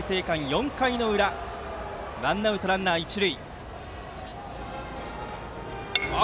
４回の裏、ワンアウトランナー、一塁。